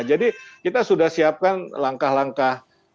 jadi kita sudah siapkan langkah langkah